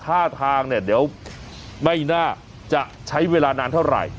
ท่าทางเนี่ยเดี๋ยวไม่น่าจะใช้เวลานานเท่าไหร่